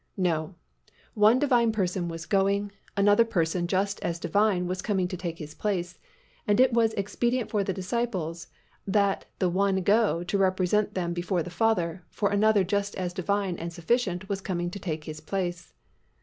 No, one Divine Person was going, another Person just as Divine was coming to take His place, and it was expedient for the disciples that the One go to represent them before the Father, for another just as Divine and sufficient was coming to take His place.